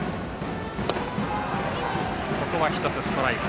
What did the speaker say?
ここは１つ、ストライク。